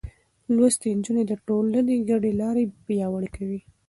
لوستې نجونې د ټولنې ګډې لارې پياوړې کوي.